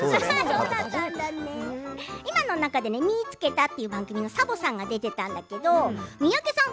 今の中で「みいつけた！」という番組のサボさんが出てたんだけど三宅さん